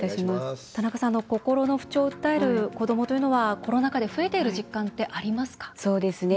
田中さん、心の不調を訴える子どもというのはコロナ禍で増えている実感って、ありますか？